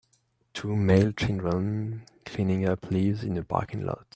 Two male children cleaning up leaves in a parking lot